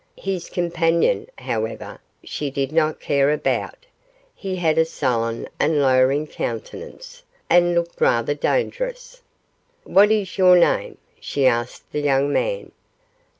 His companion, however, she did not care about he had a sullen and lowering countenance, and looked rather dangerous. 'What is your name?' she asked the young man.